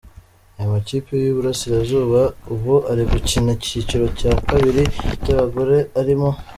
Ayo makipe y’Iburasirazuba ubu ari gukina icyiciro cya kabir cy’abagore arimo.